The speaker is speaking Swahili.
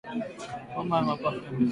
Homa ya mapafu ya mifugo